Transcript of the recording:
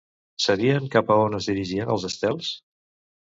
Sabien cap a on es dirigien els estels?